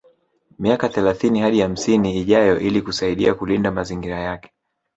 Miaka thelathini hadi hamsini ijayo ili kusaidia kulinda mazingira yake